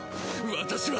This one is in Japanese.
私は！